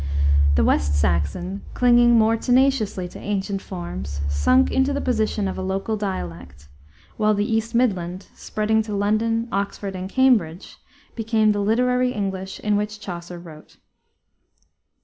The West Saxon, clinging more tenaciously to ancient forms, sunk into the position of a local dialect; while the East Midland, spreading to London, Oxford, and Cambridge, became the literary English in which Chaucer wrote.